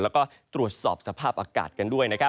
แล้วก็ตรวจสอบสภาพอากาศกันด้วย